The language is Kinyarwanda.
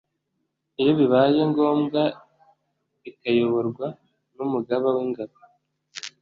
Iyobibaye ngombwa ikayoborwa n’Umugaba w’Ingabo